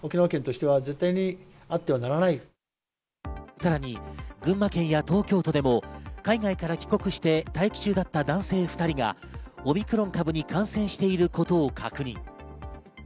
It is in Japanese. さらに群馬県や東京都でも海外から帰国して待機中だった男性２人がオミクロン株に感染していることを確認。